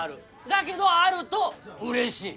だけどあるとうれしい。